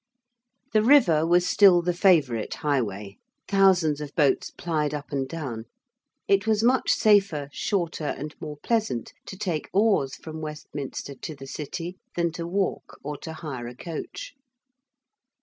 The river was still the favourite highway thousands of boats plied up and down: it was much safer, shorter, and more pleasant to take oars from Westminster to the City than to walk or to hire a coach.